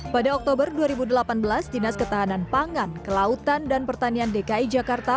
pada oktober dua ribu delapan belas dinas ketahanan pangan kelautan dan pertanian dki jakarta